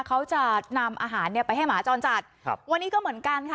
เขาจะนำอาหารเนี่ยไปให้หมาจรจัดครับวันนี้ก็เหมือนกันค่ะ